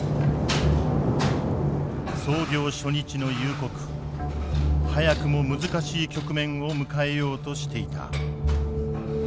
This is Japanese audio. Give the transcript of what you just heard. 操業初日の夕刻早くも難しい局面を迎えようとしていた。